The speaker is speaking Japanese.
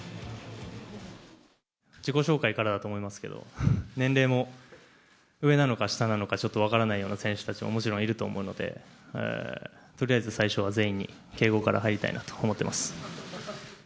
自己紹介からだと思いますけど、年齢も上なのか下なのか、ちょっと分からないような選手たちも、もちろんいると思うので、とりあえず最初は全員に敬語から入りたいなと思ってます。